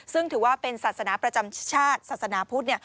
ซึ่งถือว่าเป็นศาสนาประจำชาติศาสนาพุทธ